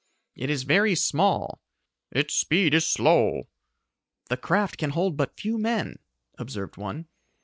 "It is very small!" "Its speed is slow!" "The craft can hold but few men," observed one.